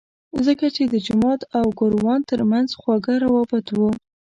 ځکه چې د جومات او ګوروان ترمنځ خواږه روابط وو.